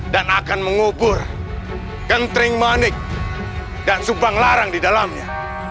dan akan mengubur gentring manik dan subang larang di dalamnya